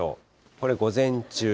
これ午前中。